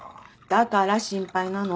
だから心配なの。